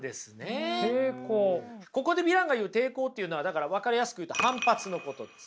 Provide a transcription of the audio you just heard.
ここでビランが言う抵抗っていうのは分かりやすく言うと反発のことです。